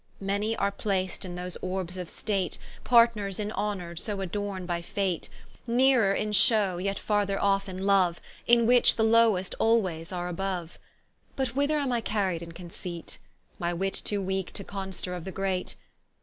Many are placed in those Orbes of state, Partners in honour, so ordain'd by Fate; Neerer in show, yet farther off in loue, In which, the lowest alwayes are aboue. But whither am I carried in conceit? My Wit too weake to conster of the great.